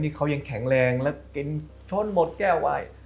ที่เขายังแข็งแรงและกินโทษหมดแก้ววาย